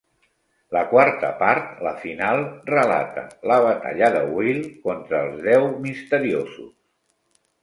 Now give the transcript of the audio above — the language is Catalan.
La quarta part, la final, relata la batalla de Will contra els Deu misteriosos.